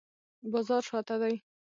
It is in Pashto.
بازار شاته دی